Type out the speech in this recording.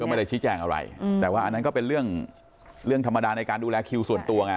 ไม่ได้ชี้แจงอะไรแต่ว่าอันนั้นก็เป็นเรื่องเรื่องธรรมดาในการดูแลคิวส่วนตัวไง